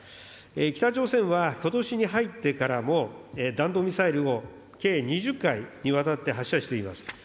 北朝鮮はことしに入ってからも、弾道ミサイルを計２０回にわたって発射しています。